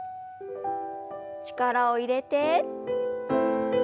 力を入れて。